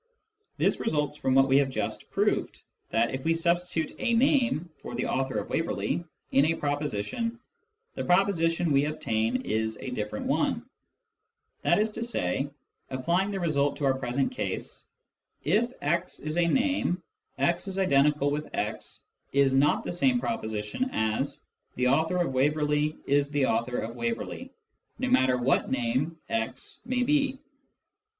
This results 176 Introduction to Mathematical Philosophy from what we have just proved, that, if we substitute a name for " the author of Waverley " in a proposition, the proposition we obtain is a different one. That is to say, applying the result to our present case : If " x " is a name, " x—x " is not the same proposition as " the author of Waverley is the author of Waverley" no matter what name " x " may be.